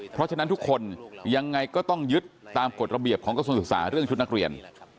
เพราะฉะนั้นทุกคนยังไงก็ต้องยึดตามกฎระเบียบของกระทรวงศึกษาเรื่องชุดนักเรียน